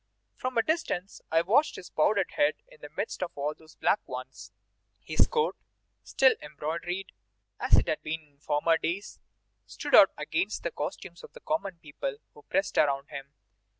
From a distance I watched his powdered head in the midst of all those black ones; his coat, still embroidered as it had been in former days, stood out against the costumes of the common people who pressed around him.